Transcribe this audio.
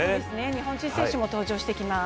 日本人選手も登場してきます。